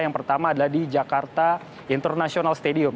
yang pertama adalah di jakarta international stadium